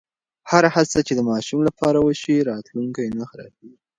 هره هڅه چې د ماشوم لپاره وشي، راتلونکی نه خرابېږي.